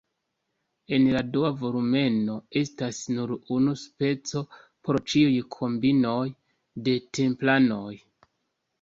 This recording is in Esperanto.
En la dua volumeno estas nur unu speco por ĉiuj kombinoj de templanoj.